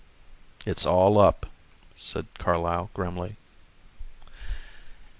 "It's all up," said Carlyle grimly.